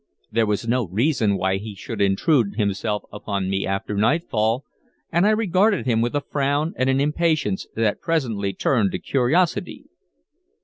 There was no reason why he should intrude himself upon me after nightfall, and I regarded him with a frown and an impatience that presently turned to curiosity.